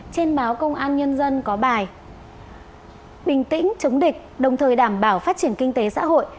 trên báo công an nhân dân có bài bình tĩnh chống địch đồng thời đảm bảo phát triển kinh tế xã hội